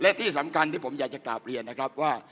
และที่สำคัญที่ผมอยากจะกราบเรียนนะครับว่า